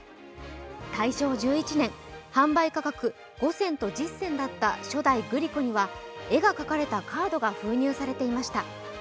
大正１１年、販売価格５銭と１０銭だった当時のグリコには絵が描かれたカードが封入されていました。